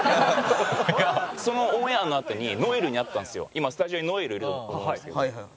今スタジオに如恵留いると思うんですけど。